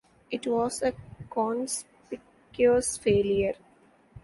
It was a conspicuous failure.